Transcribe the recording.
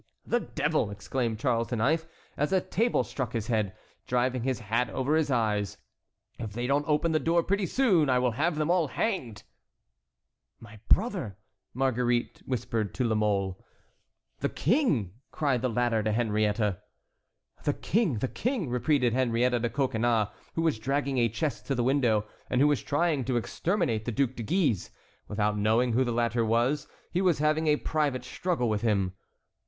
"The devil!" exclaimed Charles IX., as a table struck his head, driving his hat over his eyes, "if they don't open the door pretty soon I will have them all hanged." "My brother!" whispered Marguerite to La Mole. "The King!" cried the latter to Henriette. "The King! the King!" repeated Henriette to Coconnas, who was dragging a chest to the window, and who was trying to exterminate the Duc de Guise. Without knowing who the latter was he was having a private struggle with him.